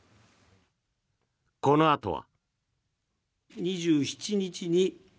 このあとは。